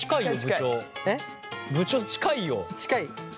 部長近いよ。近い？